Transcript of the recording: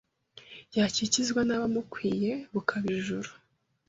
Yakikizwa n'abamukwiye bukaba ijuru